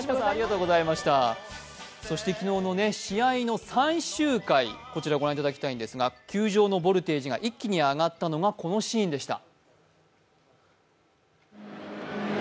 そして昨日の試合の最終回、こちらご覧いただきたいんですが球場のボルテージが一気に上がったのがこのシーンでした。